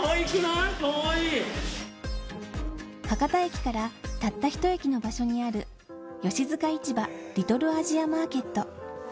博多駅からたった１駅の場所にある、吉塚市場リトルアジアマーケット。